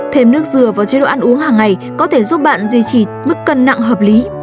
thêm nước dừa và chế độ ăn uống hàng ngày có thể giúp bạn duy trì mức cân nặng hợp lý